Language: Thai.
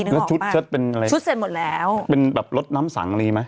นึกออกปะชุดเสร็จหมดแล้วเป็นแบบรถน้ำสังอะไรมั้ย